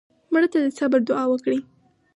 مړه ته د صبر دوعا وکړې